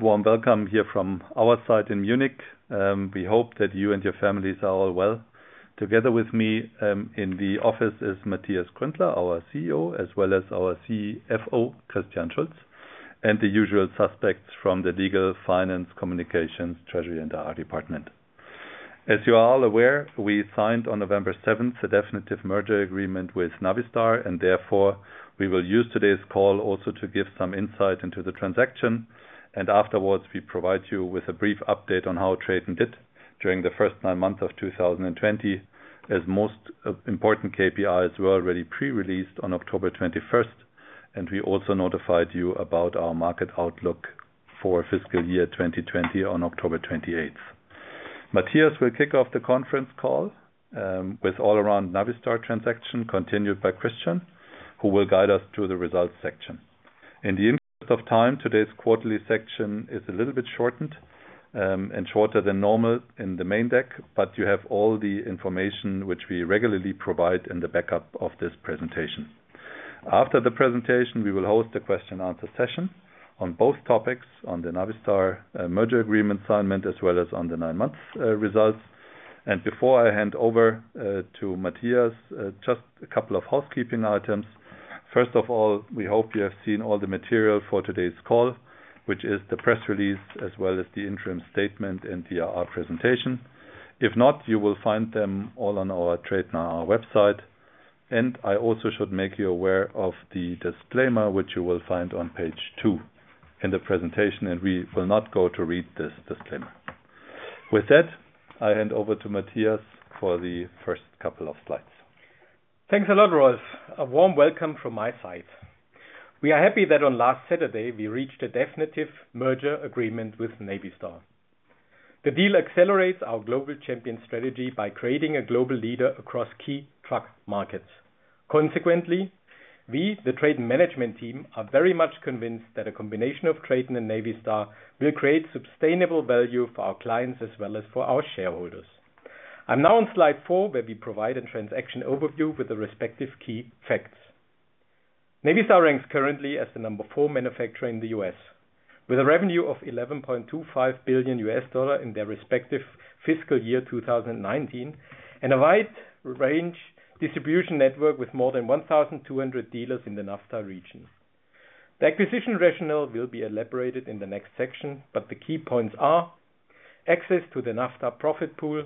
Warm welcome here from our side in Munich. We hope that you and your families are all well. Together with me in the office is Matthias Gründler, our CEO, as well as our CFO, Christian Schulz, and the usual suspects from the legal, finance, communications, treasury and IR department. As you are all aware, we signed on November 7th, a definitive merger agreement with Navistar, and therefore we will use today's call also to give some insight into the transaction. Afterwards, we provide you with a brief update on how TRATON did during the first nine months of 2020. As most important KPIs were already pre-released on October 21st, and we also notified you about our market outlook for fiscal year 2020 on October 28th. Matthias will kick off the conference call, with all around Navistar transaction, continued by Christian, who will guide us through the results section. In the interest of time, today's quarterly section is a little bit shortened and shorter than normal in the main deck, but you have all the information which we regularly provide in the backup of this presentation. After the presentation, we will host a question answer session on both topics, on the Navistar merger agreement assignment, as well as on the nine months results. Before I hand over to Matthias, just a couple of housekeeping items. First of all, we hope you have seen all the material for today's call, which is the press release, as well as the interim statement and the IR presentation. If not, you will find them all on our TRATON website. I also should make you aware of the disclaimer, which you will find on page two in the presentation, and we will not go to read this disclaimer. With that, I hand over to Matthias for the first couple of slides. Thanks a lot, Rolf. A warm welcome from my side. We are happy that on last Saturday, we reached a definitive merger agreement with Navistar. The deal accelerates our Global Champion Strategy by creating a global leader across key truck markets. We, the TRATON management team, are very much convinced that a combination of TRATON and Navistar will create sustainable value for our clients as well as for our shareholders. I'm now on slide four, where we provide a transaction overview with the respective key facts. Navistar ranks currently as the number 4 manufacturer in the U.S., with a revenue of $11.25 billion US in their respective fiscal year, 2019, and a wide range distribution network with more than 1,200 dealers in the NAFTA region. The acquisition rationale will be elaborated in the next section, but the key points are access to the NAFTA profit pool,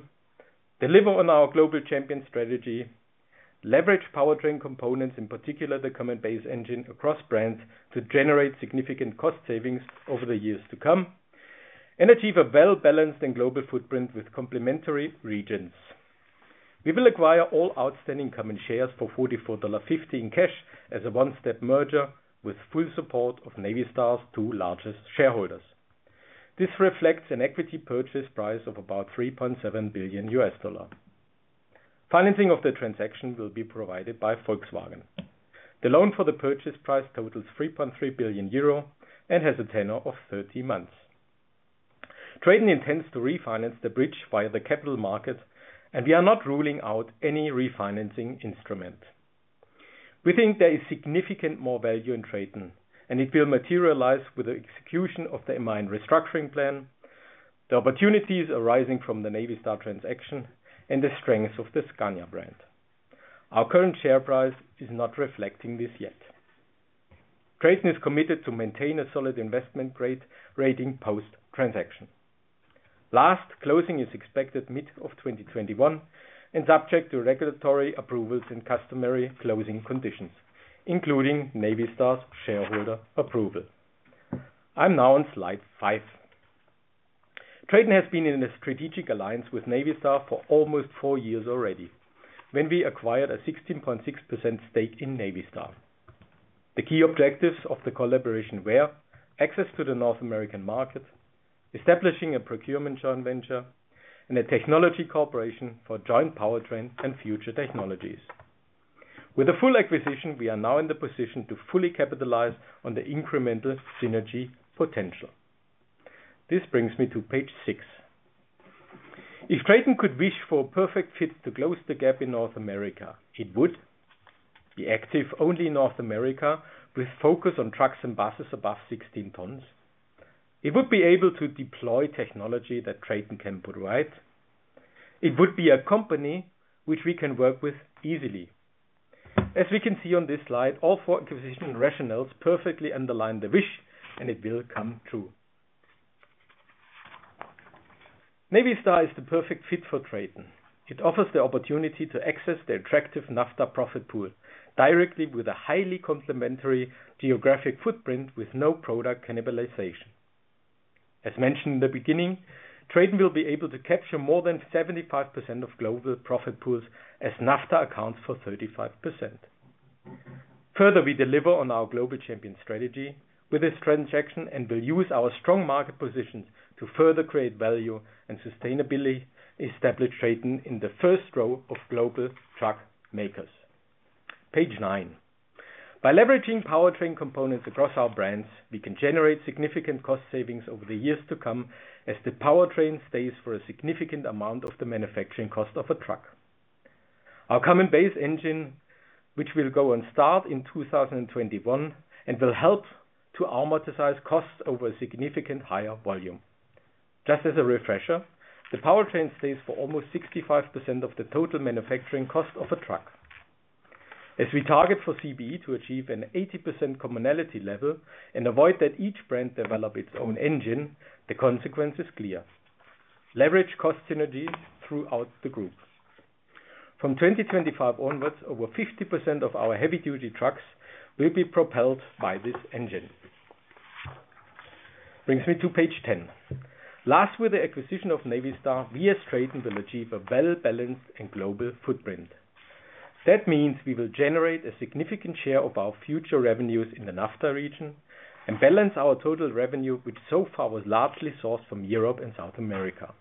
deliver on our Global Champion Strategy, leverage powertrain components, in particular, the Common Base Engine across brands to generate significant cost savings over the years to come, and achieve a well-balanced and global footprint with complementary regions. We will acquire all outstanding common shares for $44.50 in cash as a one-step merger with full support of Navistar's two largest shareholders. This reflects an equity purchase price of about $3.7 billion. Financing of the transaction will be provided by Volkswagen. The loan for the purchase price totals 3.3 billion euro and has a tenor of 30 months. TRATON intends to refinance the bridge via the capital market, we are not ruling out any refinancing instrument. We think there is significant more value in TRATON, and it will materialize with the execution of the aligned restructuring plan, the opportunities arising from the Navistar transaction, and the strength of the Scania brand. Our current share price is not reflecting this yet. TRATON is committed to maintain a solid investment grade rating post-transaction. Last, closing is expected mid of 2021 and subject to regulatory approvals and customary closing conditions, including Navistar's shareholder approval. I'm now on slide five. TRATON has been in a strategic alliance with Navistar for almost four years already, when we acquired a 16.6% stake in Navistar. The key objectives of the collaboration were access to the North American market, establishing a procurement joint venture, and a technology cooperation for joint powertrains and future technologies. With a full acquisition, we are now in the position to fully capitalize on the incremental synergy potential. This brings me to page six. If TRATON could wish for a perfect fit to close the gap in North America, it would be active only in North America with focus on trucks and buses above 16 tons. It would be able to deploy technology that TRATON can provide. It would be a company which we can work with easily. As we can see on this slide, all four acquisition rationales perfectly underline the wish. It will come true. Navistar is the perfect fit for TRATON. It offers the opportunity to access the attractive NAFTA profit pool directly with a highly complementary geographic footprint with no product cannibalization. As mentioned in the beginning, TRATON will be able to capture more than 75% of global profit pools as NAFTA accounts for 35%. Further, we deliver on our Global Champion Strategy with this transaction and will use our strong market positions to further create value and sustainability, establish TRATON in the first row of global truck makers. Page nine. By leveraging powertrain components across our brands, we can generate significant cost savings over the years to come as the powertrain stays for a significant amount of the manufacturing cost of a truck. Our Common Base Engine, which will go on start in 2021 and will help to amortize costs over a significant higher volume. Just as a refresher, the powertrain stays for almost 65% of the total manufacturing cost of a truck. As we target for CBE to achieve an 80% commonality level and avoid that each brand develop its own engine, the consequence is clear. Leverage cost synergies throughout the group. From 2025 onwards, over 50% of our heavy-duty trucks will be propelled by this engine. Brings me to page 10. Last, with the acquisition of Navistar, we as TRATON will achieve a well-balanced and global footprint. That means we will generate a significant share of our future revenues in the NAFTA region and balance our total revenue, which so far was largely sourced from Europe and South America.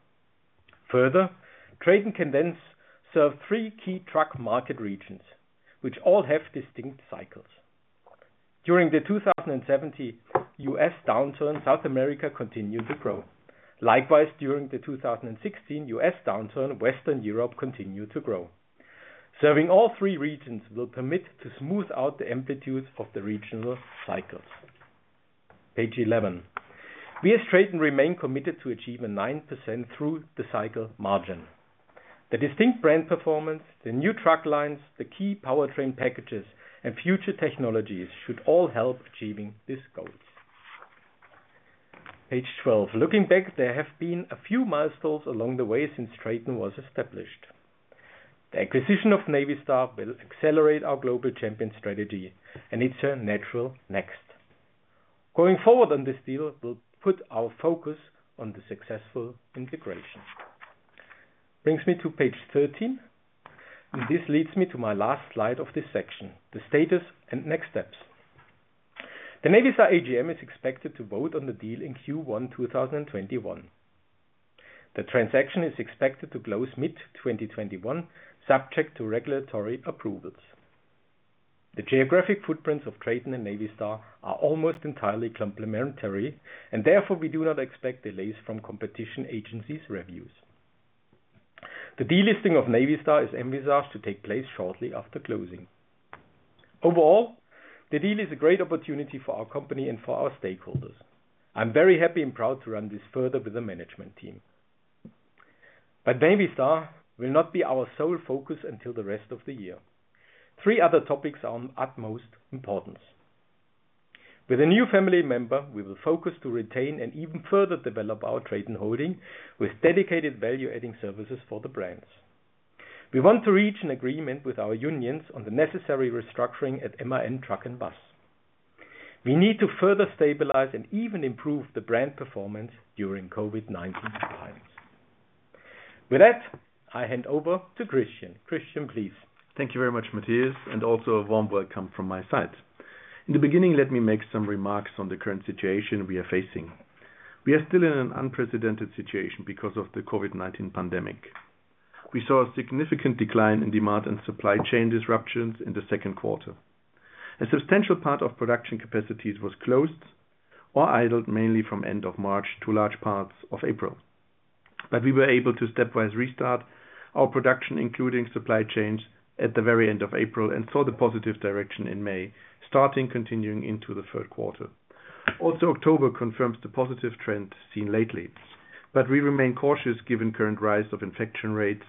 Further, TRATON can then serve three key truck market regions, which all have distinct cycles. During the 2017 US downturn, South America continued to grow. Likewise, during the 2016 US downturn, Western Europe continued to grow. Serving all three regions will permit to smooth out the amplitudes of the regional cycles. Page 11. We as TRATON remain committed to achieve a 9% through the cycle margin. The distinct brand performance, the new truck lines, the key powertrain packages, and future technologies should all help achieving these goals. Page 12. Looking back, there have been a few milestones along the way since TRATON was established. The acquisition of Navistar will accelerate our Global Champion Strategy, and it's a natural next. Going forward on this deal will put our focus on the successful integration. Brings me to page 13. This leads me to my last slide of this section, the status and next steps. The Navistar AGM is expected to vote on the deal in Q1 2021. The transaction is expected to close mid-2021, subject to regulatory approvals. The geographic footprints of TRATON and Navistar are almost entirely complementary, and therefore, we do not expect delays from competition agencies reviews. The delisting of Navistar is envisaged to take place shortly after closing. Overall, the deal is a great opportunity for our company and for our stakeholders. I'm very happy and proud to run this further with the management team. Navistar will not be our sole focus until the rest of the year. Three other topics are of utmost importance. With a new family member, we will focus to retain and even further develop our TRATON Holding with dedicated value-adding services for the brands. We want to reach an agreement with our unions on the necessary restructuring at MAN Truck & Bus. We need to further stabilize and even improve the brand performance during COVID-19 times. With that, I hand over to Christian. Christian, please. Thank you very much, Matthias, and also a warm welcome from my side. In the beginning, let me make some remarks on the current situation we are facing. We are still in an unprecedented situation because of the COVID-19 pandemic. We saw a significant decline in demand and supply chain disruptions in the second quarter. A substantial part of production capacities was closed or idled mainly from end of March to large parts of April. We were able to stepwise restart our production, including supply chains, at the very end of April and saw the positive direction in May, starting continuing into the third quarter. October confirms the positive trend seen lately, we remain cautious given current rise of infection rates.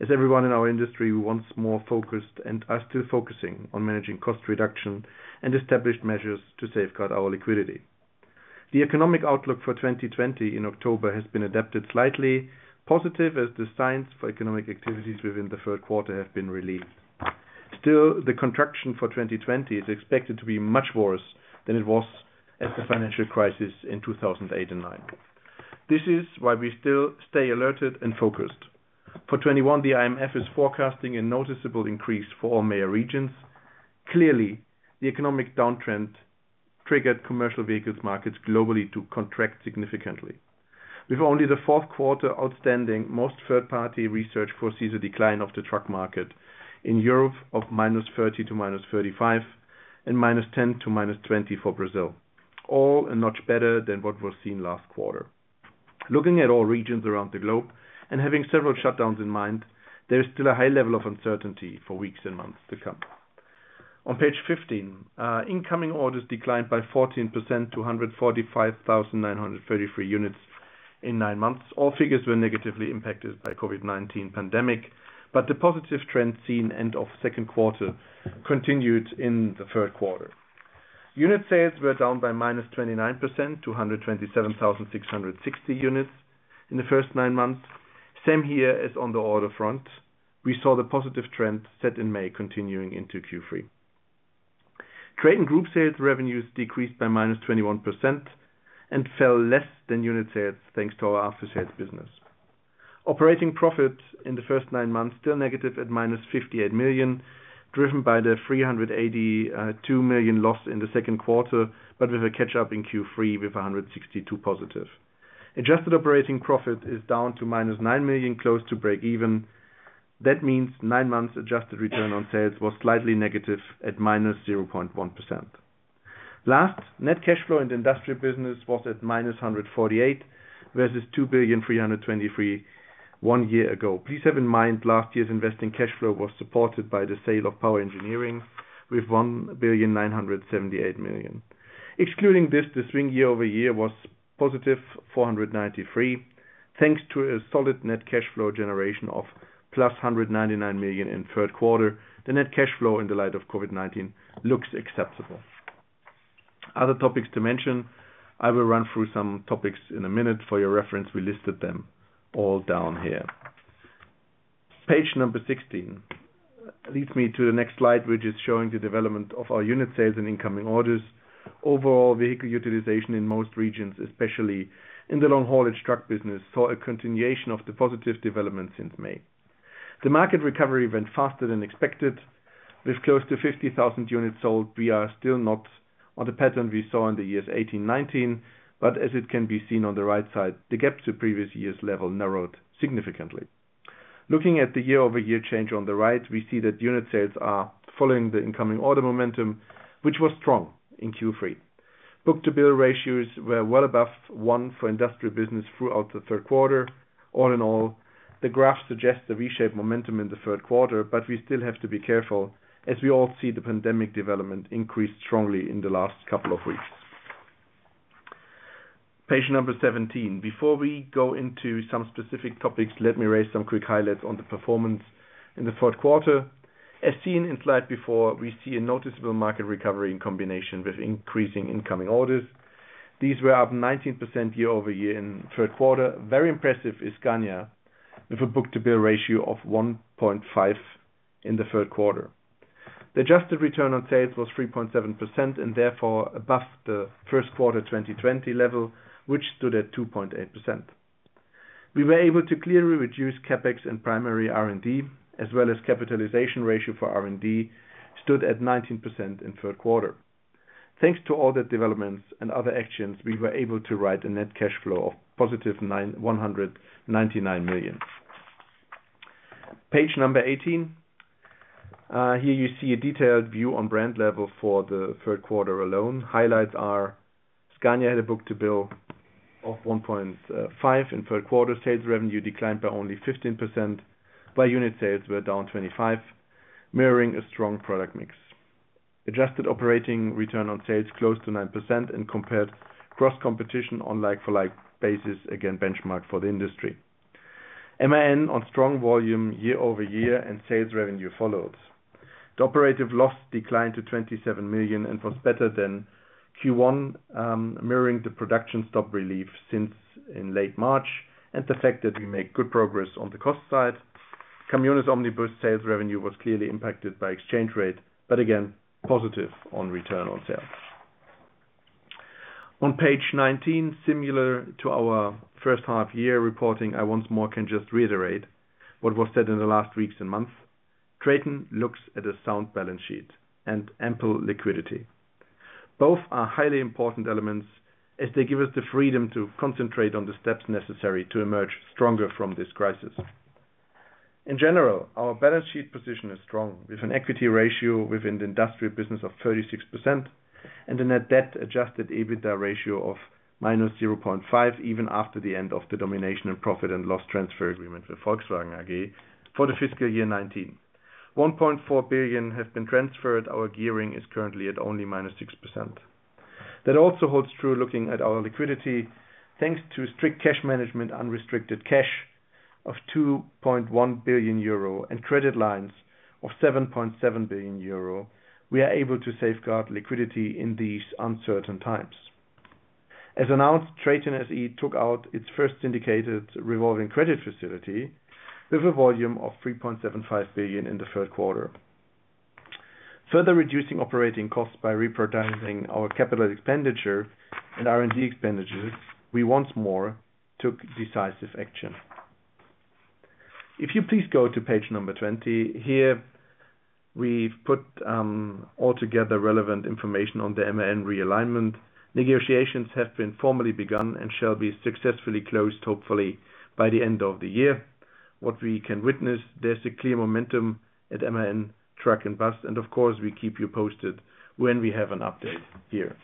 As everyone in our industry, we once more focused and are still focusing on managing cost reduction and established measures to safeguard our liquidity. The economic outlook for 2020 in October has been adapted slightly positive as the signs for economic activities within the third quarter have been released. Still, the contraction for 2020 is expected to be much worse than it was at the financial crisis in 2008 and 2009. This is why we still stay alerted and focused. For 2021, the IMF is forecasting a noticeable increase for all major regions. Clearly, the economic downtrend triggered commercial vehicles markets globally to contract significantly. With only the fourth quarter outstanding, most third-party research foresees a decline of the truck market in Europe of -30% to -35% and -10% to -20% for Brazil. All a notch better than what was seen last quarter. Looking at all regions around the globe and having several shutdowns in mind, there is still a high level of uncertainty for weeks and months to come. On page 15, incoming orders declined by 14% to 145,933 units in nine months. All figures were negatively impacted by COVID-19 pandemic, but the positive trend seen end of second quarter continued in the third quarter. Unit sales were down by -29%, 227,660 units in the first nine months. Same here as on the order front. We saw the positive trend set in May continuing into Q3. TRATON Group sales revenues decreased by -21% and fell less than unit sales thanks to our after-sales business. Operating profit in the first nine months, still negative at minus 58 million, driven by the 382 million loss in the second quarter, but with a catch-up in Q3 with 162 million positive. Adjusted operating profit is down to minus 9 million, close to break even. That means nine months adjusted return on sales was slightly negative at -0.1%. Last net cash flow in the industrial business was at -148, versus 2,323, one year ago. Please have in mind, last year's investing cash flow was supported by the sale of Power Engineering with 1,978,000. Excluding this, the swing year-over-year was positive 493, thanks to a solid net cash flow generation of plus 199 million in third quarter. The net cash flow in the light of COVID-19 looks acceptable. Other topics to mention, I will run through some topics in a minute. For your reference, we listed them all down here. Page number 16 leads me to the next slide, which is showing the development of our unit sales and incoming orders. Overall, vehicle utilization in most regions, especially in the long-haulage truck business, saw a continuation of the positive development since May. The market recovery went faster than expected. With close to 50,000 units sold, we are still not on the pattern we saw in the years 2018 and 2019, but as it can be seen on the right side, the gap to previous year's level narrowed significantly. Looking at the year-over-year change on the right, we see that unit sales are following the incoming order momentum, which was strong in Q3. Book-to-bill ratios were well above one for industrial business throughout the third quarter. All in all, the graph suggests a V-shaped momentum in the third quarter, but we still have to be careful as we all see the pandemic development increased strongly in the last couple of weeks. Page number 17. Before we go into some specific topics, let me raise some quick highlights on the performance in the third quarter. As seen in slide before, we see a noticeable market recovery in combination with increasing incoming orders. These were up 19% year-over-year in third quarter. Very impressive is Scania, with a book-to-bill ratio of 1.5 in the third quarter. The adjusted return on sales was 3.7% and therefore above the first quarter 2020 level, which stood at 2.8%. We were able to clearly reduce CapEx and primary R&D, as well as capitalization ratio for R&D stood at 19% in third quarter. Thanks to all the developments and other actions, we were able to write a net cash flow of positive 199 million. Page number 18. Here you see a detailed view on brand level for the third quarter alone. Highlights are Scania had a book-to-bill of 1.5 in third quarter. Sales revenue declined by only 15%, while unit sales were down 25, mirroring a strong product mix. Adjusted operating return on sales close to 9% and compared across competition on like-for-like basis, again, benchmark for the industry. MAN on strong volume year-over-year and sales revenue followed. The operative loss declined to 27 million and was better than Q1, mirroring the production stop relief since in late March and the fact that we make good progress on the cost side. Volkswagen Caminhões e Ônibus sales revenue was clearly impacted by exchange rate, but again, positive on return on sales. On page 19, similar to our first half year reporting, I once more can just reiterate what was said in the last weeks and months. TRATON looks at a sound balance sheet and ample liquidity. Both are highly important elements as they give us the freedom to concentrate on the steps necessary to emerge stronger from this crisis. In general, our balance sheet position is strong with an equity ratio within the industrial business of 36% and a net debt adjusted EBITDA ratio of -0.5, even after the end of the domination and profit and loss transfer agreement with Volkswagen AG for the FY 2019. 1.4 billion has been transferred. Our gearing is currently at only -6%. That also holds true looking at our liquidity. Thanks to strict cash management unrestricted cash of 2.1 billion euro and credit lines of 7.7 billion euro, we are able to safeguard liquidity in these uncertain times. As announced, TRATON SE took out its first syndicated revolving credit facility with a volume of 3.75 billion in the third quarter. Further reducing operating costs by repricing our CapEx and R&D expenditures, we once more took decisive action. If you please go to page 20. Here, we've put all together relevant information on the MAN realignment. Negotiations have been formally begun and shall be successfully closed, hopefully, by the end of the year. We can witness, there's a clear momentum at MAN Truck & Bus, of course, we keep you posted when we have an update here.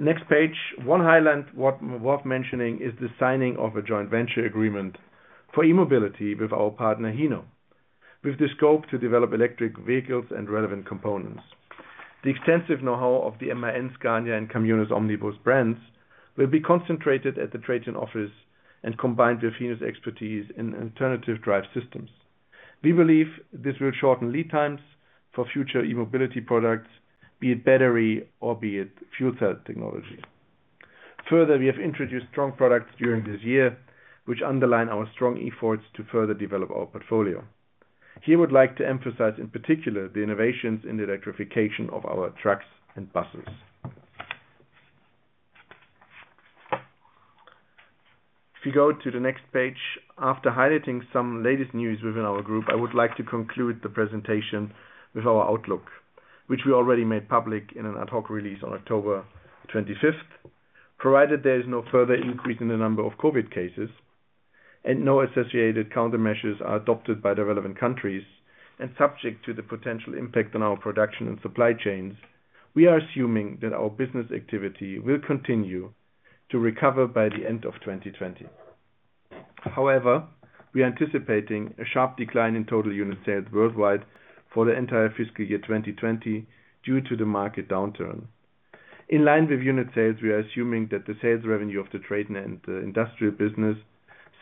Next page. One highlight worth mentioning is the signing of a joint venture agreement for e-mobility with our partner, Hino, with the scope to develop electric vehicles and relevant components. The extensive know-how of the MAN, Scania, and Volkswagen Caminhões e Ônibus brands will be concentrated at the TRATON office and combined with Hino's expertise in alternative drive systems. We believe this will shorten lead times for future e-mobility products, be it battery or be it fuel cell technology. Further, we have introduced strong products during this year, which underline our strong efforts to further develop our portfolio. Here I would like to emphasize, in particular, the innovations in the electrification of our trucks and buses. If you go to the next page, after highlighting some latest news within our group, I would like to conclude the presentation with our outlook, which we already made public in an ad hoc release on October 25th. Provided there is no further increase in the number of COVID cases and no associated countermeasures are adopted by the relevant countries. Subject to the potential impact on our production and supply chains, we are assuming that our business activity will continue to recover by the end of 2020. However, we are anticipating a sharp decline in total unit sales worldwide for the entire fiscal year 2020 due to the market downturn. In line with unit sales, we are assuming that the sales revenue of TRATON and the industrial business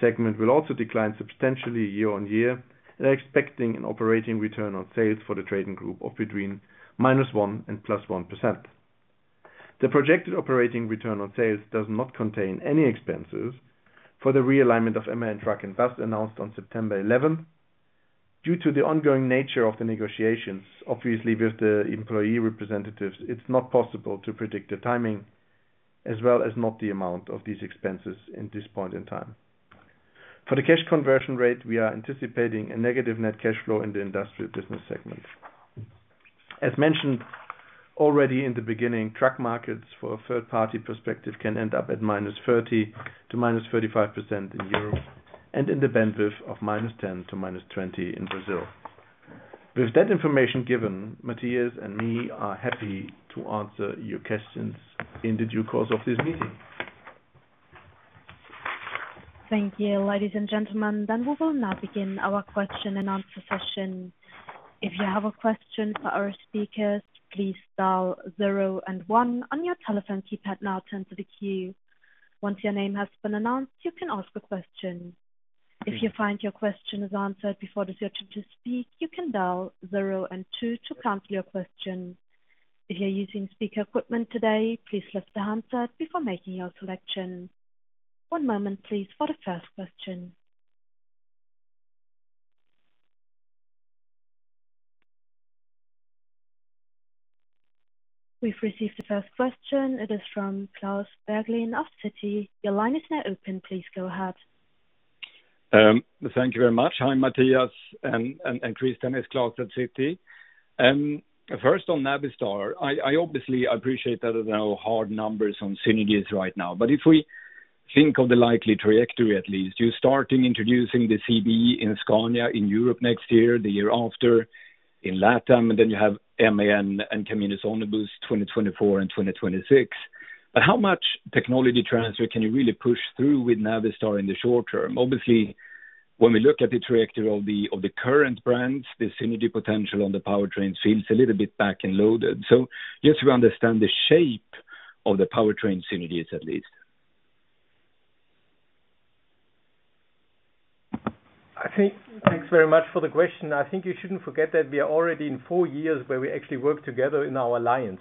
segment will also decline substantially year-on-year, and are expecting an operating return on sales for the TRATON GROUP of between -1% and +1%. The projected operating return on sales does not contain any expenses for the realignment of MAN Truck & Bus announced on September 11th. Due to the ongoing nature of the negotiations, obviously, with the employee representatives, it's not possible to predict the timing, as well as not the amount of these expenses at this point in time. For the cash conversion rate, we are anticipating a negative net cash flow in the industrial business segment. As mentioned already in the beginning, truck markets from a third-party perspective can end up at -30% to -35% in Europe, and in the bandwidth of -10% to -20% in Brazil. With that information given, Matthias and I are happy to answer your questions in the due course of this meeting. Thank you, ladies and gentlemen. It is from Klas Bergelind of Citi. Your line is now open. Please go ahead. Thank you very much. Hi, Matthias and Christian. It's Klas at Citi. First on Navistar, I obviously appreciate that there are no hard numbers on synergies right now. If we think of the likely trajectory, at least, you're starting introducing the CBE in Scania in Europe next year, the year after in LATAM, and then you have MAN and Volkswagen Caminhões e Ônibus 2024 and 2026. How much technology transfer can you really push through with Navistar in the short term? Obviously, when we look at the trajectory of the current brands, the synergy potential on the powertrain seems a little bit back and loaded. Just to understand the shape of the powertrain synergies at least. Thanks very much for the question. I think you shouldn't forget that we are already in four years where we actually work together in our alliance.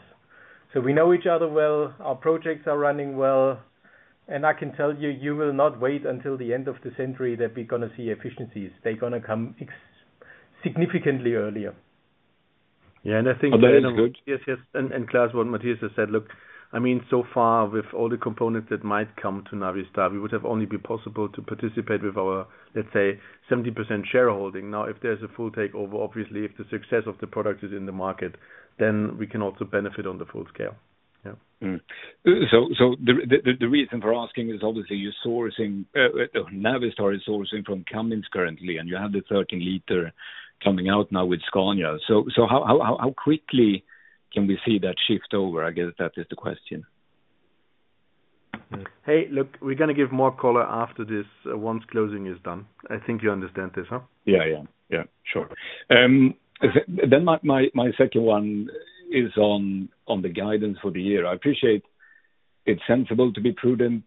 We know each other well, our projects are running well, and I can tell you will not wait until the end of the century that we're going to see efficiencies. They are going to come significantly earlier. That is good. Matthias, yes. Klas, what Matthias has said, look, so far with all the components that might come to Navistar, we would have only been possible to participate with our, let's say, 70% shareholding. If there's a full takeover, obviously, if the success of the product is in the market, then we can also benefit on the full scale. Yeah. The reason for asking is obviously Navistar is sourcing from Cummins currently, and you have the 13-liter coming out now with Scania. How quickly can we see that shift over? I guess that is the question. Hey, look, we're going to give more color after this, once closing is done. I think you understand this, huh? Yeah. Sure. My second one is on the guidance for the year. I appreciate it's sensible to be prudent,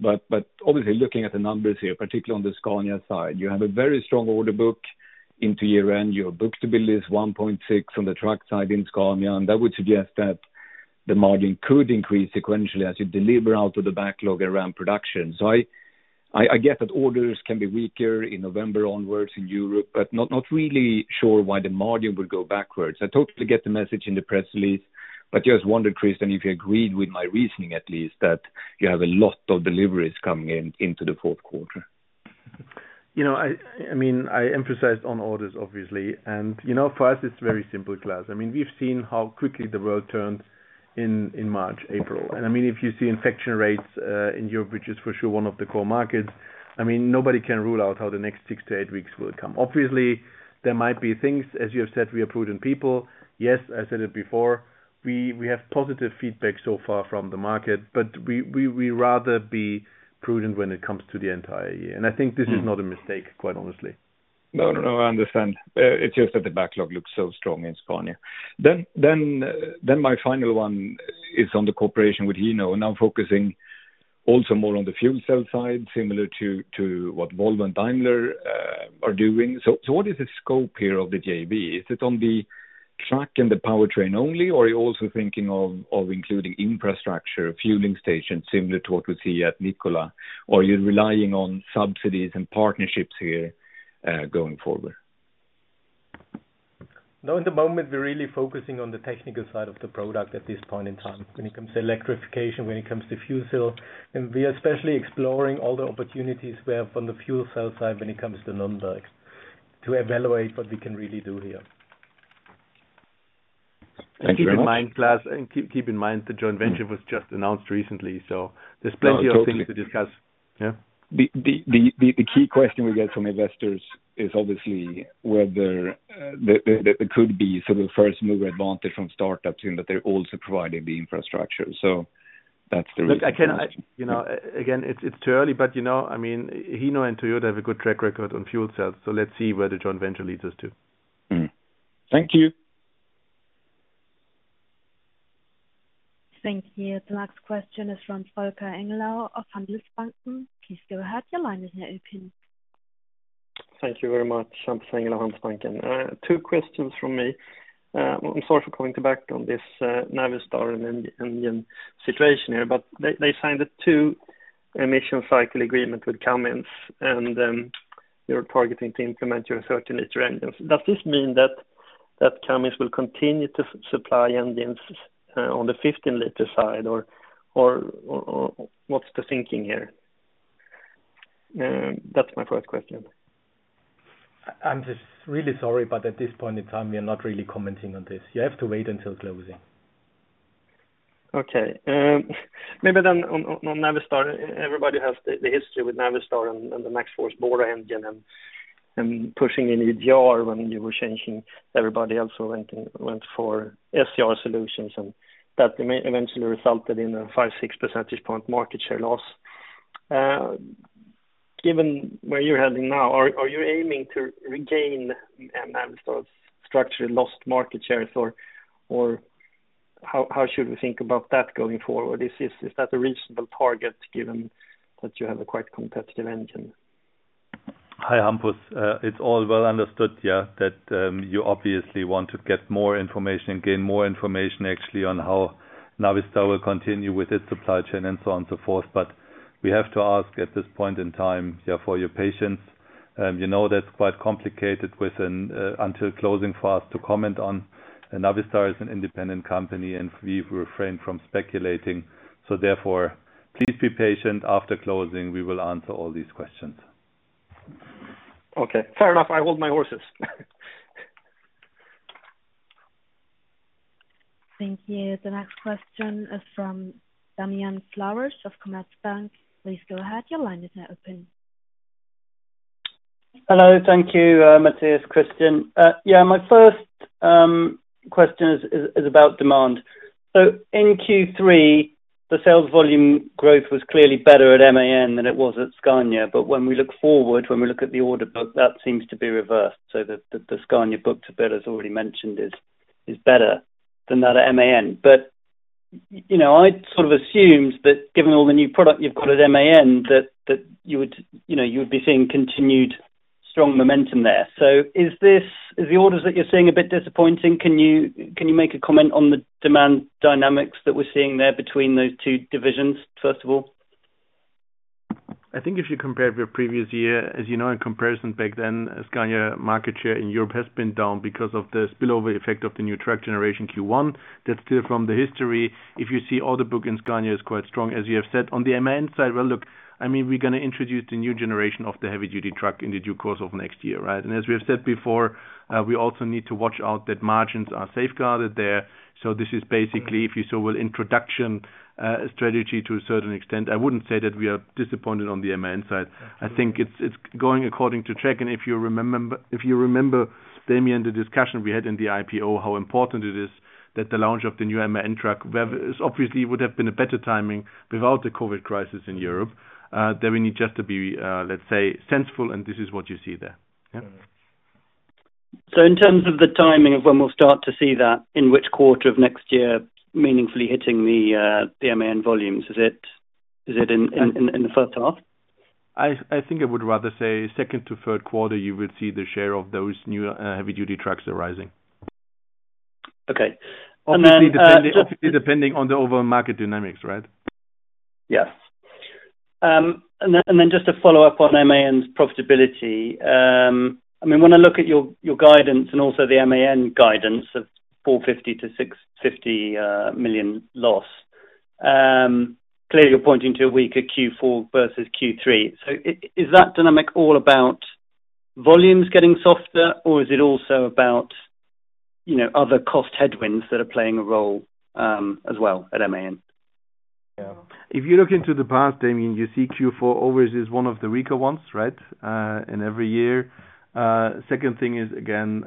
but obviously looking at the numbers here, particularly on the Scania side, you have a very strong order book into year-end. Your book-to-bill is 1.6 on the truck side in Scania, and that would suggest that the margin could increase sequentially as you deliver out of the backlog around production. I get that orders can be weaker in November onwards in Europe, but not really sure why the margin would go backwards. I totally get the message in the press release, but just wondered, Christian, if you agreed with my reasoning at least, that you have a lot of deliveries coming in into the fourth quarter. I emphasized on orders, obviously. For us, it's very simple, Klas. We've seen how quickly the world turned in March, April. If you see infection rates in Europe, which is for sure one of the core markets, nobody can rule out how the next six to eight weeks will come. Obviously, there might be things, as you have said, we are prudent people. Yes, I said it before, we have positive feedback so far from the market, but we rather be prudent when it comes to the entire year. I think this is not a mistake, quite honestly. No. I understand. It's just that the backlog looks so strong in Scania. My final one is on the cooperation with Hino. Now focusing also more on the fuel cell side, similar to what Volvo and Daimler are doing. What is the scope here of the JV? Is it on the truck and the powertrain only, or are you also thinking of including infrastructure, fueling stations similar to what we see at Nikola? Are you relying on subsidies and partnerships here, going forward? No, in the moment, we're really focusing on the technical side of the product at this point in time when it comes to electrification, when it comes to fuel cell. We are especially exploring all the opportunities we have on the fuel cell side when it comes to Nuremberg to evaluate what we can really do here. Keep in mind, Klas, the joint venture was just announced recently, so there's plenty of things to discuss. Yeah. The key question we get from investors is obviously whether there could be some first-mover advantage from startups in that they're also providing the infrastructure. That's the reason. Look, again, it is too early, but Hino and Toyota have a good track record on fuel cells, so let's see where the joint venture leads us to. Thank you. Thank you. The next question is from Hampus Engellau of Handelsbanken. Please go ahead. Your line is now open. Thank you very much. Hampus Engellau, Handelsbanken. Two questions from me. I'm sorry for coming back on this Navistar and Indian situation here. They signed a two emission cycle agreement with Cummins. They're targeting to implement your 13-liter engines. Does this mean that Cummins will continue to supply engines on the 15-liter side, or what's the thinking here? That's my first question. I'm just really sorry, but at this point in time, we are not really commenting on this. You have to wait until closing. Okay. Maybe on Navistar. Everybody has the history with Navistar and the MaxxForce big bore engine and pushing in EGR when you were changing. Everybody else went for SCR solutions. That eventually resulted in a 5-6 percentage point market share loss. Given where you're heading now, are you aiming to regain Navistar's structurally lost market shares? How should we think about that going forward? Is that a reasonable target given that you have a quite competitive engine? Hi, Hampus. It's all well understood, yeah, that you obviously want to get more information and gain more information actually on how Navistar will continue with its supply chain and so on and so forth. We have to ask at this point in time for your patience. You know that's quite complicated until closing for us to comment on. Navistar is an independent company, and we refrain from speculating. Therefore, please be patient. After closing, we will answer all these questions. Okay, fair enough. I hold my horses. Thank you. The next question is from Demian Flowers of Commerzbank. Please go ahead. Your line is now open. Hello. Thank you, Matthias, Christian. My first question is about demand. In Q3, the sales volume growth was clearly better at MAN than it was at Scania. When we look forward, when we look at the order book, that seems to be reversed. The Scania book-to-bill, as already mentioned, is better than that at MAN. I sort of assumed that given all the new product you've got at MAN that you would be seeing continued strong momentum there. Is the orders that you're seeing a bit disappointing? Can you make a comment on the demand dynamics that we're seeing there between those two divisions, first of all? I think if you compare with your previous year, as you know in comparison back then, Scania market share in Europe has been down because of the spillover effect of the new truck generation Q1. That's clear from the history. If you see order book in Scania is quite strong, as you have said. On the MAN side, well, look, we're going to introduce the new generation of the heavy duty truck in the due course of next year. As we have said before, we also need to watch out that margins are safeguarded there. This is basically, if you so will, introduction strategy to a certain extent. I wouldn't say that we are disappointed on the MAN side. I think it's going according to check. If you remember, Demian, the discussion we had in the IPO, how important it is that the launch of the new MAN truck, obviously would have been a better timing without the COVID crisis in Europe. We need just to be, let's say, sensible, and this is what you see there. Yeah. In terms of the timing of when we'll start to see that, in which quarter of next year meaningfully hitting the MAN volumes? Is it in the first half? I think I would rather say second to third quarter, you will see the share of those new heavy duty trucks arising. Okay. Obviously, depending on the overall market dynamics, right? Yes. Just to follow up on MAN's profitability. When I look at your guidance and also the MAN guidance of 450 million to 650 million loss, clearly you're pointing to a weaker Q4 versus Q3. Is that dynamic all about volumes getting softer, or is it also about other cost headwinds that are playing a role as well at MAN? If you look into the past, Demian, you see Q4 always is one of the weaker ones, right? In every year. Second thing is again,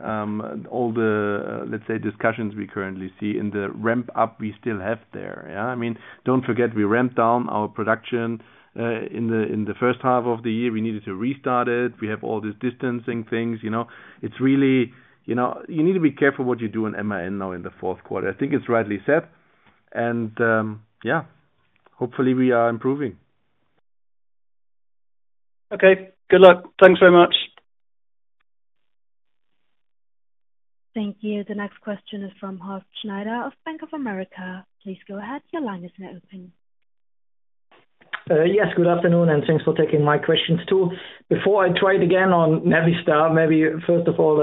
all the, let's say, discussions we currently see and the ramp up we still have there. Don't forget, we ramped down our production in the first half of the year. We needed to restart it. We have all these distancing things. You need to be careful what you do in MAN now in the fourth quarter. I think it's rightly said. Yeah, hopefully we are improving. Okay. Good luck. Thanks very much. Thank you. The next question is from Horst Schneider of Bank of America. Please go ahead. Yes, good afternoon. Thanks for taking my questions, too. Before I try it again on Navistar, maybe first of all,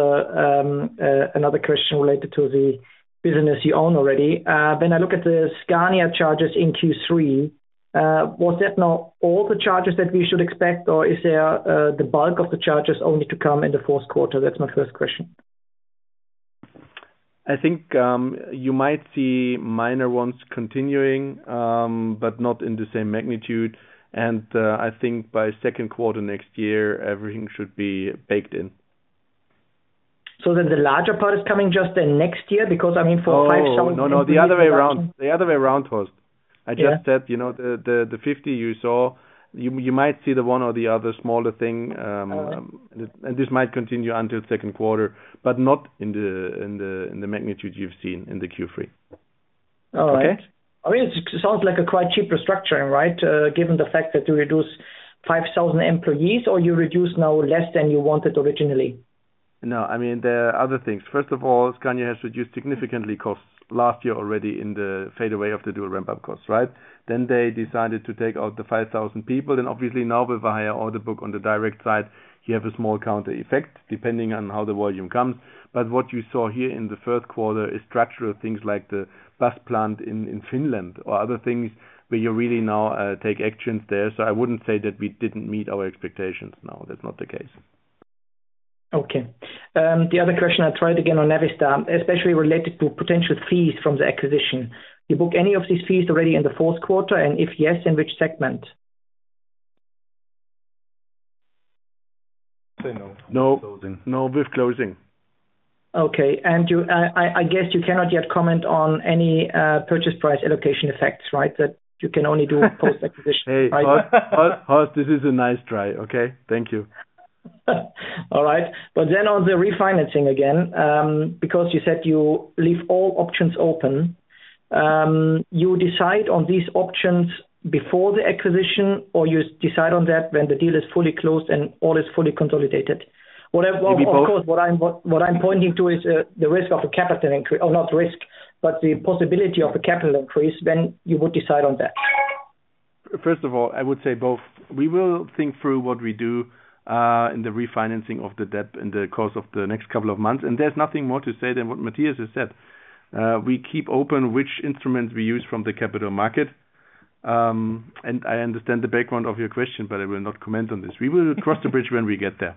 another question related to the business you own already. When I look at the Scania charges in Q3, was that now all the charges that we should expect, or is there the bulk of the charges only to come in the fourth quarter? That is my first question. I think you might see minor ones continuing, but not in the same magnitude. I think by second quarter next year, everything should be baked in. The larger part is coming just in next year? Because for 5,000 employees- No, the other way around, Horst. Yeah. I just said, the 50 you saw, you might see the one or the other smaller thing, and this might continue until second quarter, but not in the magnitude you've seen in the Q3. All right. Okay? It sounds like a quite cheap restructuring, right? Given the fact that you reduce 5,000 employees, or you reduce now less than you wanted originally. There are other things. First of all, Scania has reduced significantly costs last year already in the fadeaway of the dual ramp-up costs, right? They decided to take out the 5,000 people. Obviously now with a higher order book on the direct side, you have a small counter effect depending on how the volume comes. What you saw here in the first quarter is structural things like the bus plant in Finland or other things where you really now take actions there. I wouldn't say that we didn't meet our expectations. That's not the case. Okay. The other question I tried again on Navistar, especially related to potential fees from the acquisition. You book any of these fees already in the fourth quarter, and if yes, in which segment? I'd say no. No. Closing. No, with closing. Okay. I guess you cannot yet comment on any purchase price allocation effects, right? That you can only do post-acquisition, right? Hey, Horst. This is a nice try, okay? Thank you. All right. On the refinancing again, because you said you leave all options open. You decide on these options before the acquisition, or you decide on that when the deal is fully closed and all is fully consolidated? It could be both. Of course, what I'm pointing to is the risk of a capital increase, or not risk, but the possibility of a capital increase, when you would decide on that? First of all, I would say both. We will think through what we do, in the refinancing of the debt in the course of the next couple of months. There's nothing more to say than what Matthias has said. We keep open which instruments we use from the capital market. I understand the background of your question, but I will not comment on this. We will cross the bridge when we get there.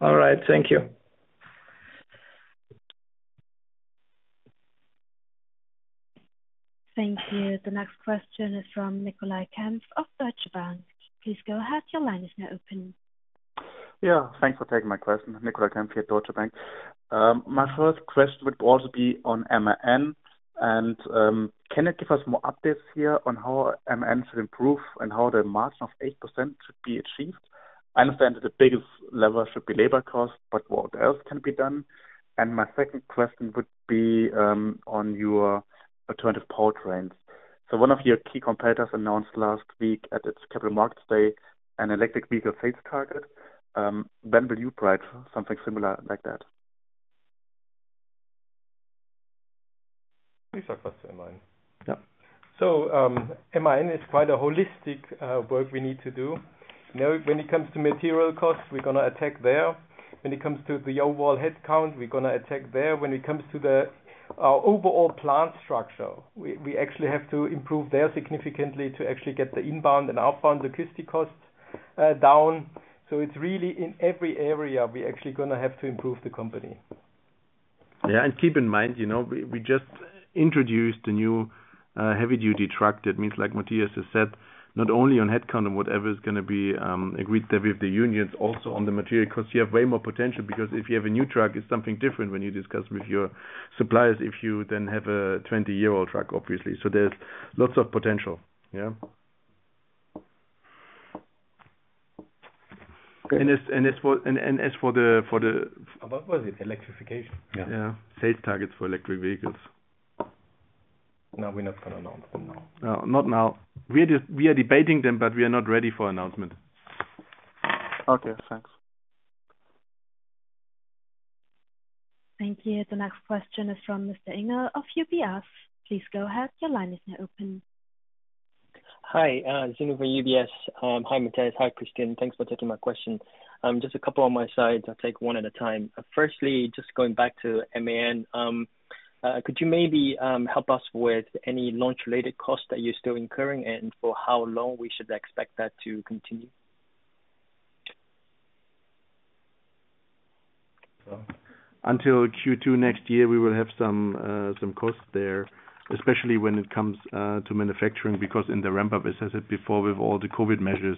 All right. Thank you. Thank you. The next question is from Nicolai Kempf of Deutsche Bank. Please go ahead. Yeah. Thanks for taking my question. Nicolai Kempf here at Deutsche Bank. My first question would also be on MAN. Can you give us more updates here on how MAN should improve and how the margin of 8% should be achieved? I understand that the biggest lever should be labor cost, but what else can be done? My second question would be on your alternative powertrains. One of your key competitors announced last week at its capital markets day, an electric vehicle sales target. When will you provide something similar like that? You start first to MAN. Yeah. MAN is quite a holistic work we need to do. When it comes to material costs, we're going to attack there. When it comes to the overall head count, we're going to attack there. When it comes to the overall plant structure, we actually have to improve there significantly to actually get the inbound and outbound logistic costs down. It's really in every area, we actually going to have to improve the company. Keep in mind, we just introduced a new heavy duty truck. That means, like Matthias has said, not only on head count and whatever is going to be agreed with the unions, also on the material costs, you have way more potential because if you have a new truck, it's something different when you discuss with your suppliers if you then have a 20-year-old truck, obviously. There's lots of potential. Yeah. What was it? Electrification. Yeah. Yeah. Sales targets for electric vehicles. No, we're not going to announce them now. No, not now. We are debating them, but we are not ready for announcement. Okay, thanks. Thank you. The next question is from Henning Inger of UBS. Please go ahead. Your line is now open. Hi, Zeynep from UBS. Hi, Matthias. Hi, Christian. Thanks for taking my question. Just a couple on my side. I'll take one at a time. Firstly, just going back to MAN. Could you maybe help us with any launch-related costs that you're still incurring and for how long we should expect that to continue? Until Q2 next year, we will have some costs there, especially when it comes to manufacturing, because in the ramp-up, as I said before, with all the COVID measures,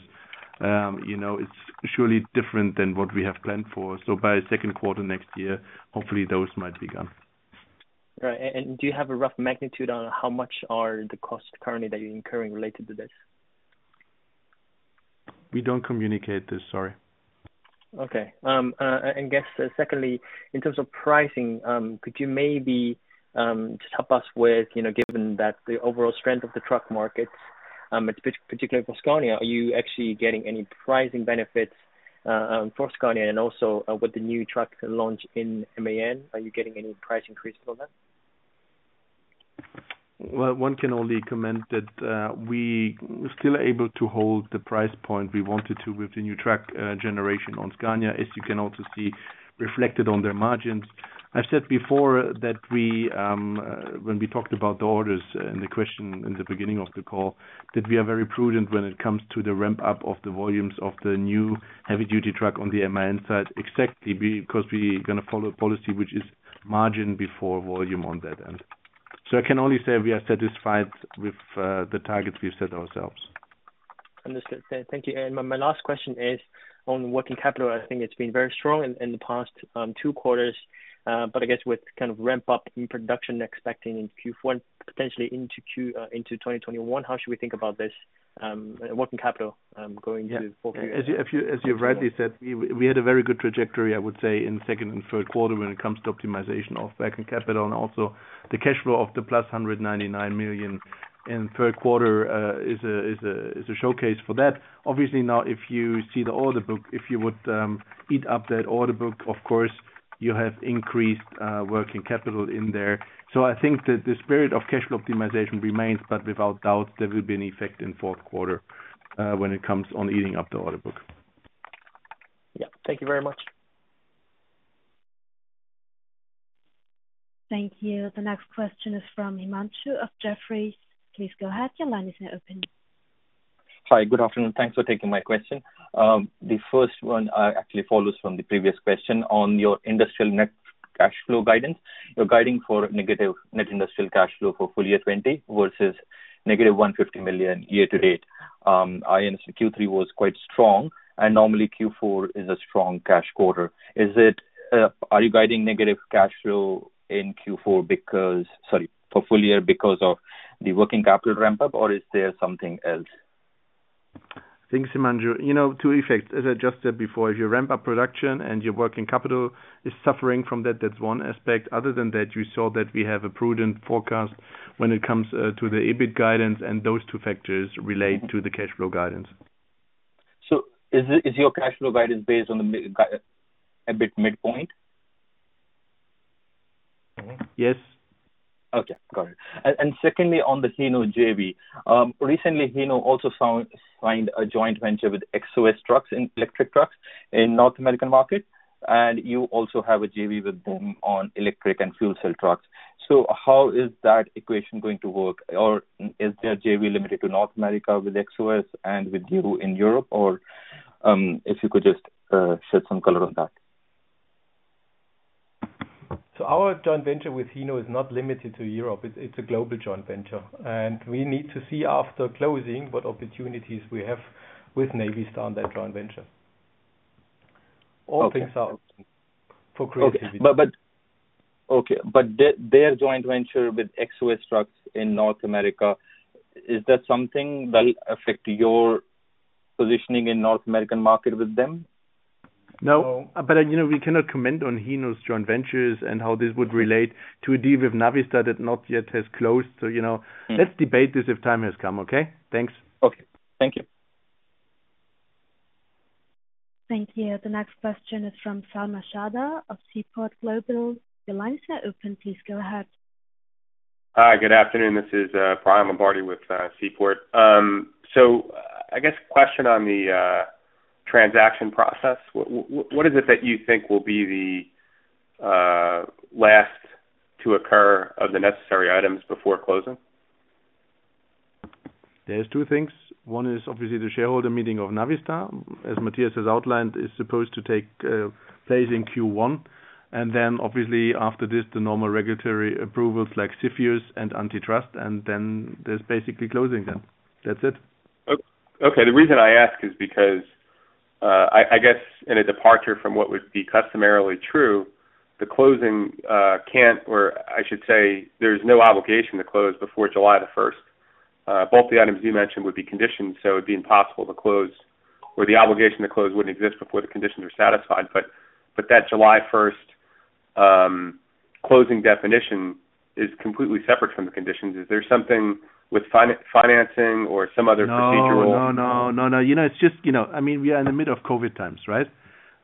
it's surely different than what we have planned for. By second quarter next year, hopefully those might be gone. Right. Do you have a rough magnitude on how much are the costs currently that you're incurring related to this? We don't communicate this, sorry. Okay. Guess secondly, in terms of pricing, could you maybe just help us with, given that the overall strength of the truck market, particularly for Scania, are you actually getting any pricing benefits for Scania? Also, with the new truck launch in MAN, are you getting any price increase from that? Well, one can only comment that we were still able to hold the price point we wanted to with the new truck generation on Scania, as you can also see reflected on their margins. I've said before that when we talked about the orders and the question in the beginning of the call, that we are very prudent when it comes to the ramp-up of the volumes of the new heavy-duty truck on the MAN side, exactly because we are going to follow a policy which is margin before volume on that end. I can only say we are satisfied with the targets we've set ourselves. Understood. Thank you. My last question is on working capital. I think it's been very strong in the past two quarters. I guess with ramp-up in production expecting in Q1, potentially into 2021, how should we think about this working capital going into full year? As you rightly said, we had a very good trajectory, I would say, in the second and third quarter when it comes to optimization of working capital and also the cash flow of the plus 199 million in the third quarter is a showcase for that. Obviously, now if you see the order book, if you would eat up that order book, of course, you have increased working capital in there. I think that the spirit of cash flow optimization remains, but without doubt, there will be an effect in the fourth quarter when it comes on eating up the order book. Yeah. Thank you very much. Thank you. The next question is from Himanshu of Jefferies. Please go ahead. Hi. Good afternoon. Thanks for taking my question. The first one actually follows from the previous question on your industrial net cash flow guidance. You're guiding for negative net industrial cash flow for full year 2020 versus negative 150 million year to date. I understand Q3 was quite strong, and normally Q4 is a strong cash quarter. Are you guiding negative cash flow for full year because of the working capital ramp-up, or is there something else? Thanks, Himanshu. Two effects. As I just said before, if you ramp up production and your working capital is suffering from that's one aspect. Other than that, you saw that we have a prudent forecast when it comes to the EBIT guidance, those two factors relate to the cash flow guidance. Is your cash flow guidance based on the EBIT midpoint? Yes. Okay. Got it. Secondly, on the Hino JV. Recently, Hino also signed a joint venture with XoxTrucks, electric trucks in North American market. You also have a JV with them on electric and fuel cell trucks. How is that equation going to work? Is their JV limited to North America with XOS and with you in Europe? If you could just shed some color on that. Our joint venture with Hino is not limited to Europe. It's a global joint venture. We need to see after closing what opportunities we have with Navistar on that joint venture. All things are open for creativity. Okay. Their joint venture with Xos Trucks in North America, is that something that'll affect your positioning in North American market with them? No. We cannot comment on Hino's joint ventures and how this would relate to a deal with Navistar that not yet has closed. Let's debate this if time has come. Okay? Thanks. Okay. Thank you. Thank you. The next question is from Sal Mashada of Seaport Global. Your line is now open. Please go ahead. Hi, good afternoon. This is Sal Mashada with Seaport. I guess question on the transaction process. What is it that you think will be the last to occur of the necessary items before closing? There's two things. One is obviously the shareholder meeting of Navistar, as Matthias has outlined, is supposed to take place in Q1. Obviously after this, the normal regulatory approvals like CFIUS and antitrust, and then there's basically closing them. That's it. Okay. The reason I ask is because, I guess in a departure from what would be customarily true, the closing can't, or I should say, there's no obligation to close before July the 1st. Both the items you mentioned would be conditioned, so it'd be impossible to close, or the obligation to close wouldn't exist before the conditions are satisfied. That July 1st closing definition is completely separate from the conditions. Is there something with financing or some other procedural- No. It's just, I mean, we are in the middle of COVID times, right?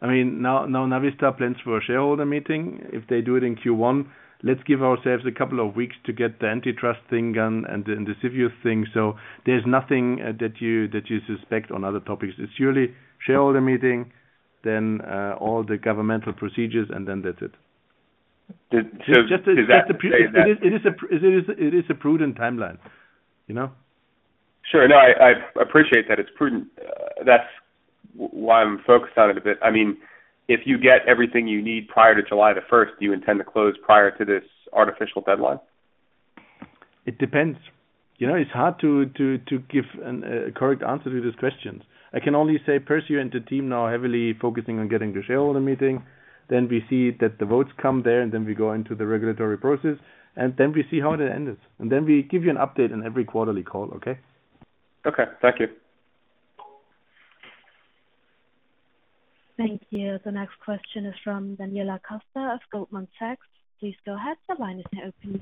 I mean, now Navistar plans for a shareholder meeting. If they do it in Q1, let's give ourselves a couple of weeks to get the antitrust thing done and the CFIUS thing. There's nothing that you suspect on other topics. It's purely shareholder meeting, then all the governmental procedures, and then that's it. Is that to say that- It is a prudent timeline. Sure. No, I appreciate that it's prudent. That's why I'm focused on it a bit. I mean, if you get everything you need prior to July the 1st, do you intend to close prior to this artificial deadline? It depends. It's hard to give a correct answer to these questions. I can only say Percy and the team now are heavily focusing on getting the shareholder meeting. We see that the votes come there, and then we go into the regulatory process, and then we see how the end is, and then we give you an update on every quarterly call. Okay? Okay. Thank you. Thank you. The next question is from Daniela Costa of Goldman Sachs. Please go ahead. The line is now open.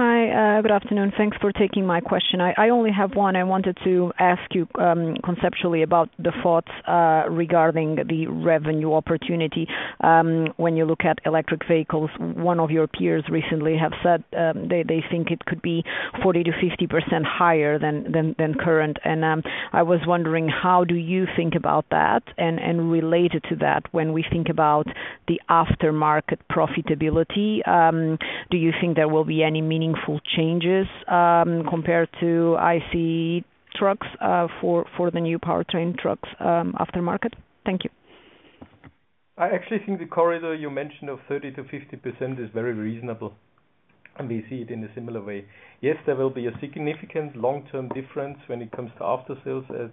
Hi. Good afternoon. Thanks for taking my question. I only have one. I wanted to ask you conceptually about the thoughts regarding the revenue opportunity. When you look at electric vehicles, one of your peers recently have said they think it could be 40%-50% higher than current. I was wondering, how do you think about that? Related to that, when we think about the aftermarket profitability, do you think there will be any meaningful changes compared to IC trucks for the new powertrain trucks aftermarket? Thank you. I actually think the corridor you mentioned of 30%-50% is very reasonable, and we see it in a similar way. Yes, there will be a significant long-term difference when it comes to after-sales, as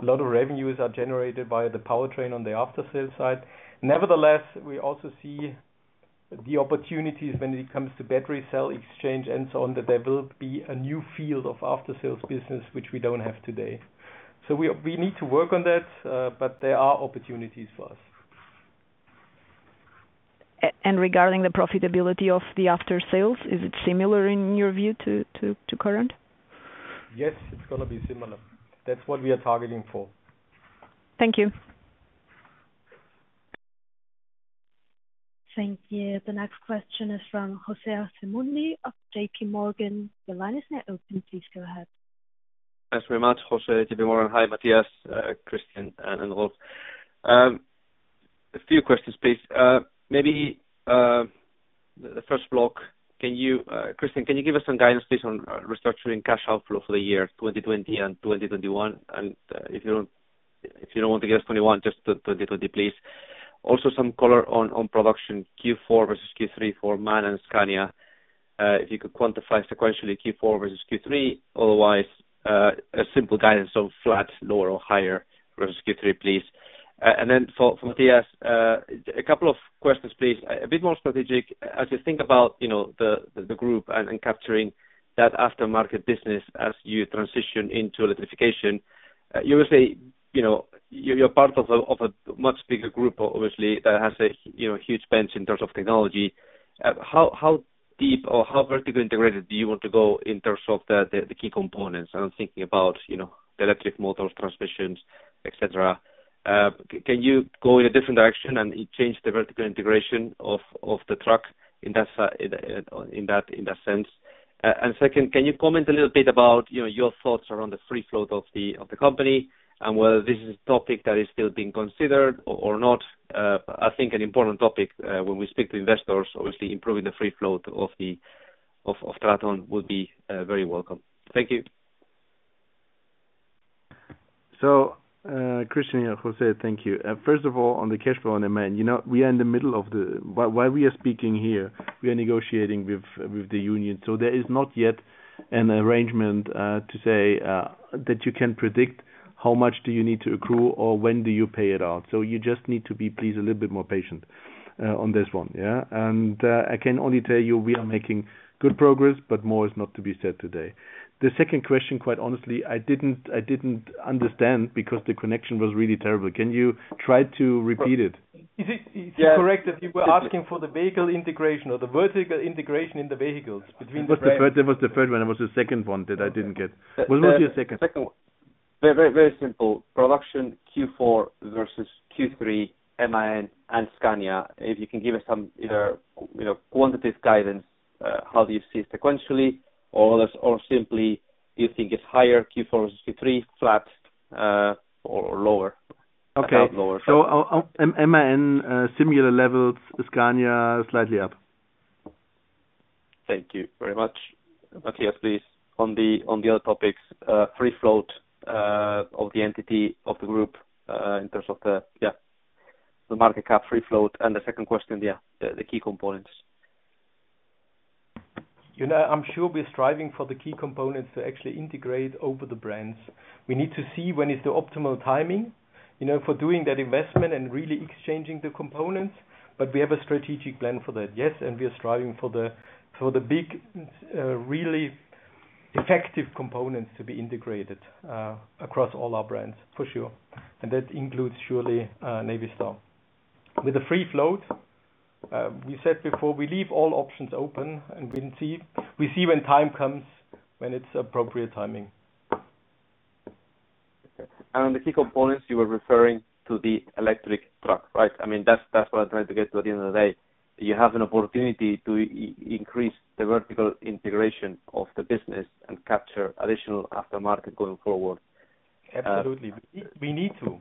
a lot of revenues are generated by the powertrain on the after-sales side. Nevertheless, we also see the opportunities when it comes to battery cell exchange and so on, that there will be a new field of after-sales business which we don't have today. We need to work on that, but there are opportunities for us. Regarding the profitability of the after-sales, is it similar in your view to current? Yes, it's going to be similar. That's what we are targeting for. Thank you. Thank you. The next question is from José Asumendi of JPMorgan. Your line is now open. Please go ahead. Thanks very much, José. JPMorgan. Hi, Matthias, Christian, and Rolf. A few questions, please. Maybe the first block, Christian, can you give us some guidance, please, on restructuring cash outflow for the year 2020 and 2021? If you don't want to give us 2021, just 2020, please. Also, some color on production Q4 versus Q3 for MAN and Scania. If you could quantify sequentially Q4 versus Q3. Otherwise, a simple guidance of flat, lower, or higher versus Q3, please. For Matthias, a couple of questions, please. A bit more strategic. As you think about the group and capturing that aftermarket business as you transition into electrification, you would say you're part of a much bigger group, obviously, that has a huge bench in terms of technology. How deep or how vertically integrated do you want to go in terms of the key components? I'm thinking about the electric motors, transmissions, et cetera. Can you go in a different direction and change the vertical integration of the truck in that sense? Second, can you comment a little bit about your thoughts around the free float of the company and whether this is a topic that is still being considered or not? I think an important topic when we speak to investors, obviously improving the free float of TRATON would be very welcome. Thank you. Christian, José, thank you. First of all, on the cash flow on the MAN, while we are speaking here, we are negotiating with the union. There is not yet an arrangement to say that you can predict how much do you need to accrue or when do you pay it out. You just need to be please, a little bit more patient on this one. Yeah? I can only tell you we are making good progress, but more is not to be said today. The second question, quite honestly, I didn't understand because the connection was really terrible. Can you try to repeat it? Is it correct that you were asking for the vehicle integration or the vertical integration in the vehicles between the-? That was the third one. It was the second one that I didn't get. What was your second one? Very simple. Production Q4 versus Q3, MAN and Scania. If you can give us some either quantitative guidance, how do you see sequentially, or simply do you think it is higher Q4 versus Q3, flat or lower? Okay. Lower. MAN similar levels, Scania slightly up. Thank you very much. Matthias, please, on the other topics, free float of the entity of the group in terms of the market cap free float. The second question, yeah, the key components. I'm sure we're striving for the key components to actually integrate over the brands. We need to see when is the optimal timing for doing that investment and really exchanging the components. We have a strategic plan for that. Yes, we are striving for the big, really effective components to be integrated across all our brands, for sure. That includes, surely, Navistar. With the free float, we said before, we leave all options open and we see when time comes, when it's appropriate timing. On the key components, you were referring to the electric truck, right? That is what I am trying to get to at the end of the day. You have an opportunity to increase the vertical integration of the business and capture additional aftermarket going forward. Absolutely. We need to.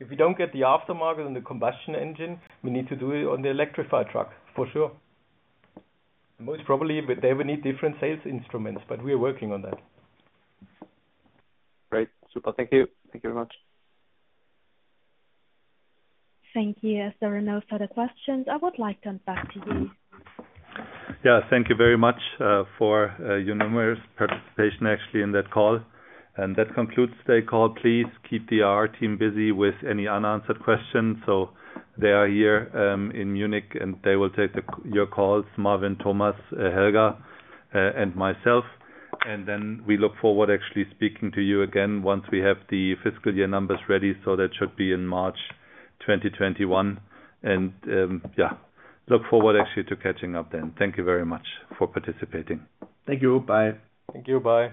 If we don't get the aftermarket on the combustion engine, we need to do it on the electrified truck, for sure. Most probably, they will need different sales instruments, but we are working on that. Great. Super. Thank you. Thank you very much. Thank you. As there are no further questions, I would like to hand back to you. Thank you very much for your numerous participation, actually, in that call. That concludes the call. Please keep the IR team busy with any unanswered questions. They are here in Munich, and they will take your calls, Marvin, Thomas, Helga, and myself. We look forward actually speaking to you again once we have the fiscal year numbers ready. That should be in March 2021. Look forward actually to catching up then. Thank you very much for participating. Thank you. Bye. Thank you. Bye.